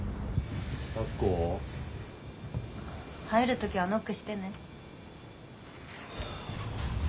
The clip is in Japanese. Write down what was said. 入る時はノックしてね。